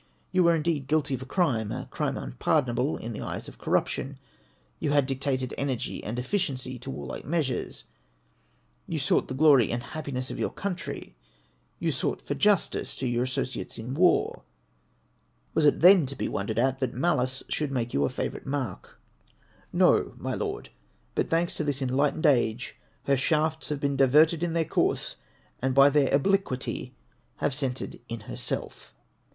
You were, indeed, guilty of a crime, — a crime unpardonable in the eyes of corruption ; you had dictated energy and efficiency to warlike measures ; you sought the glory and happiness of your country, you sought for justice to your associates in war ; was it then to be won dered at that malice should make you a favourite mark? No, my Lord ; but thanks to this enlightened age, her shafts have been diverted in their course, and by their obliquity have centred in herself.